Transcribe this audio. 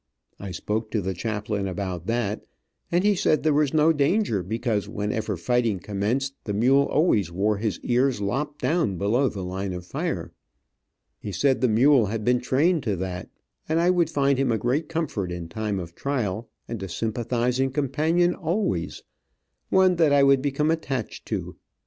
I spoke to the chaplain about that, and he said there was no danger, because whenever fighting commenced the mule always wore his ears lopped down below the line of fire. He said the mule had been trained to that, and I would find him a great comfort in time of trial, and a sympathizing companion always, one that I would become attached to.